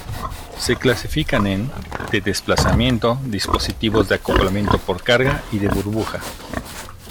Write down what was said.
Se clasifican en: de desplazamiento, dispositivos de acoplamiento por carga, y de burbuja.